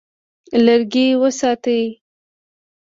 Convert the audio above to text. لرګي وساتئ.